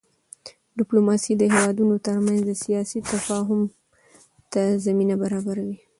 ډیپلوماسي د هېوادونو ترمنځ د سیاست تفاهم ته زمینه برابروي.